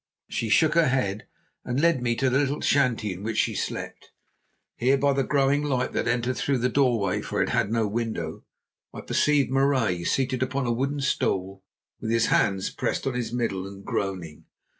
She shook her head, and led me to the little shanty in which she slept. Here by the growing light, that entered through the doorway for it had no window, I perceived Marais seated upon a wooden stool with his hands pressed on his middle and groaning.